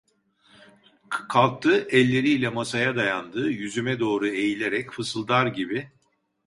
Kalktı, elleri ile masaya dayandı, yüzüme doğru eğilerek fısıldar gibi: